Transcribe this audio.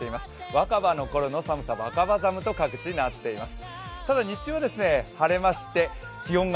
若葉のころの寒さ、若葉寒の寒さとなっています。